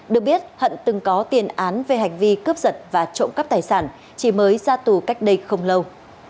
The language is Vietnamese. được biết hận từng có tiền án về hành vi cướp giật và trộm cắp tài sản chỉ mới ra tù cách đây không lâu